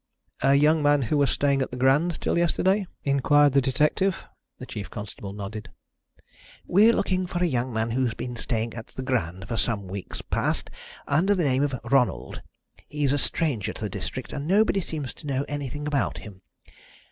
"A young man who was staying at the Grand till yesterday?" inquired the detective. The chief constable nodded. "We're looking for a young man who's been staying at the Grand for some weeks past under the name of Ronald. He's a stranger to the district, and nobody seems to know anything about him.